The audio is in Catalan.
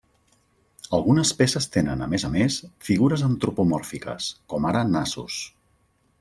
Algunes peces tenen, a més a més, figures antropomòrfiques, com ara nassos.